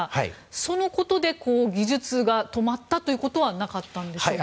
そのことで技術が止まったということはなかったんでしょうか。